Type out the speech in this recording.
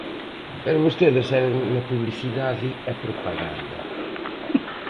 Pero vostedes seguen na publicidade e propaganda.